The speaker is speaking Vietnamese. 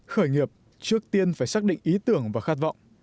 khởi nghiệp trước tiên phải xác định ý tưởng và khát vọng